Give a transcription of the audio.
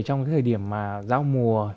trong cái thời điểm mà giao mùa